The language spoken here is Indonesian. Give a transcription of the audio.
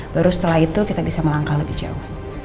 baru setelah itu kita bisa melangkah lebih jauh